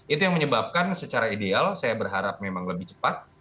itu yang menyebabkan secara ideal saya berharap memang lebih cepat